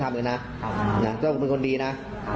ถ้าสุดส่งไม่ต้องทำอีกนะมีก็เป็นคนดีนะ